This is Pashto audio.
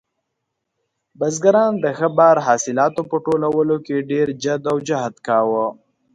بزګران د ښه بار حاصلاتو په ټولولو کې ډېر جد او جهد کاوه.